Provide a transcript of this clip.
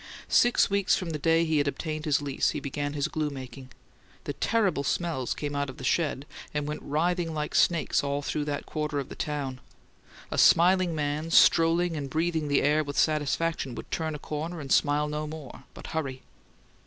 Six weeks from the day he had obtained his lease he began his glue making. The terrible smells came out of the sheds and went writhing like snakes all through that quarter of the town. A smiling man, strolling and breathing the air with satisfaction, would turn a corner and smile no more, but hurry.